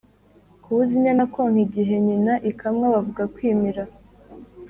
Kubuza inyana konka igihe nyina ikamwa bavuga kwimira